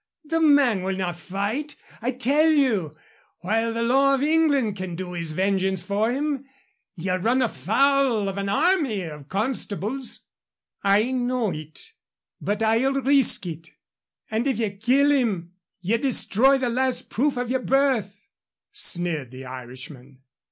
The man will not fight, I tell you, while the law of England can do his vengeance for him. Ye'll run afoul of an army of constables." "I know it, but I'll risk it." "And if ye kill him ye destroy the last proof of yer birth," sneered the Irishman.